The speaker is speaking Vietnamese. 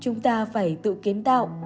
chúng ta phải tự kiến tạo